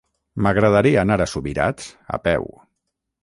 M'agradaria anar a Subirats a peu.